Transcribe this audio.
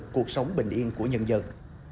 cuộc sống bình yên của nhân dân